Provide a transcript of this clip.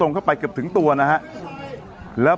ปรากฏว่าจังหวัดที่ลงจากรถ